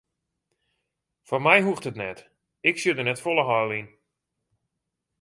Foar my hoecht it net, ik sjoch der net folle heil yn.